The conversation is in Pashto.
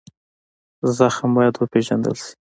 زخم باید وپېژندل شي.